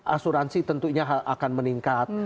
asuransi tentunya akan meningkat